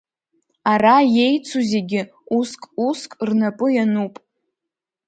Ара иеицу зегьы уск-уск рнапы иануп.